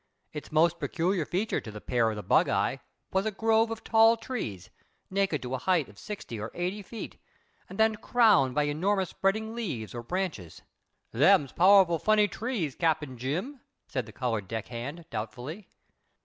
Its most peculiar feature to the pair on the bugeye was a grove of tall trees, naked to a height of 60 or 80 feet, and then crowned by enormous spreading leaves, or branches. "Them's powerful funny trees, Cap. Jim," said the colored deckhand, doubtfully.